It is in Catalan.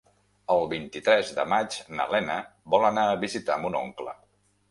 El vint-i-tres de maig na Lena vol anar a visitar mon oncle.